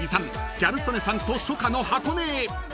ギャル曽根さんと初夏の箱根へ］